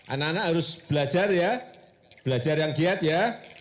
anak anak harus belajar ya belajar yang giat ya